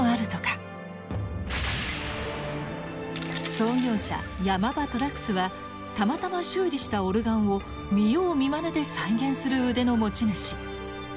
創業者山葉寅楠はたまたま修理したオルガンを見よう見まねで再現する腕の持ち主。